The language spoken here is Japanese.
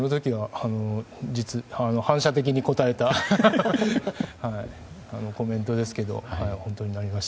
反射的に答えたコメントですけど本当になりました。